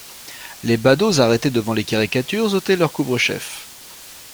Les badauds arrêtés devant les caricatures ôtaient leurs couvre-chefs.